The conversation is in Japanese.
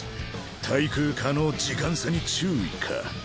滞空可能時間差に注意か。